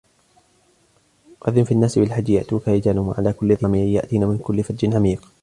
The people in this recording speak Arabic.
وَأَذِّنْ فِي النَّاسِ بِالْحَجِّ يَأْتُوكَ رِجَالًا وَعَلَى كُلِّ ضَامِرٍ يَأْتِينَ مِنْ كُلِّ فَجٍّ عَمِيقٍ